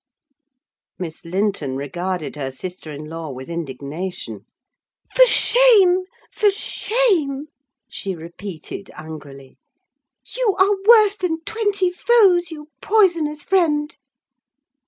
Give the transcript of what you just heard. Miss Linton regarded her sister in law with indignation. "For shame! for shame!" she repeated, angrily. "You are worse than twenty foes, you poisonous friend!"